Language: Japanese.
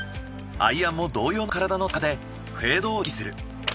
アイアンも同様の体の使い方でフェードを意識する。